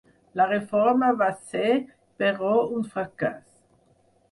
La reforma va ser, però, un fracàs.